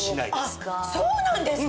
あっそうなんですか？